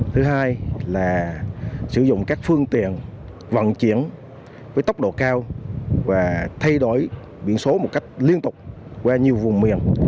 thứ hai là sử dụng các phương tiện vận chuyển với tốc độ cao và thay đổi biển số một cách liên tục qua nhiều vùng miền